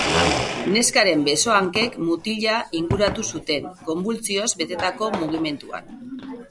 Neskaren beso-hankek mutila inguratu zuten, konbultsioz betetako mugimenduan.